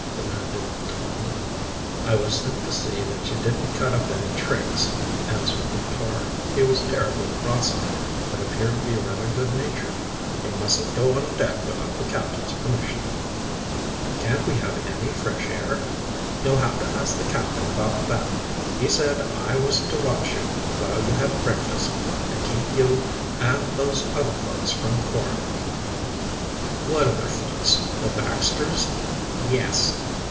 demanded Tom, "I was sent to see that you didn't cut up any tricks," answered the tar. He was terribly crosseyed, but appeared to be rather good natured. "You mustn't go on deck without the captain's permission." "Can't we have any fresh air?" "You'll have to ask the captain about that He said I was to watch you while you had breakfast, and keep you and those other folks from quarreling." "What other folks, the Baxters?" "Yes."